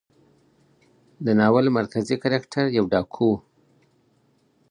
د ناول مرکزي کرکټر يو ډاکو و.